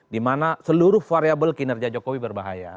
di mana seluruh variabel kinerja jokowi berbahaya